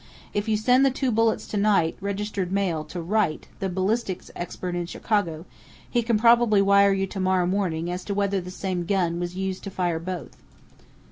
If you send the two bullets tonight, registered mail, to Wright, the ballistics expert in Chicago, he can probably wire you tomorrow morning as to whether the same gun was used to fire both."